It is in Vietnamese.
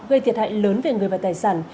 gây thiệt hại lớn về người và tài sản